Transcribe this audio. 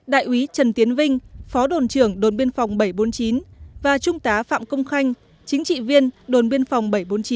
đồn biên phòng bảy trăm bốn mươi chín phó đồn trưởng đồn biên phòng bảy trăm bốn mươi chín và trung tá phạm công khanh chính trị viên đồn biên phòng bảy trăm bốn mươi chín